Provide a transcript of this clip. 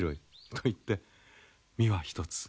といって身は一つ。